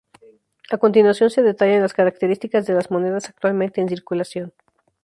A continuación se detallan las características de las monedas actualmente en circulación.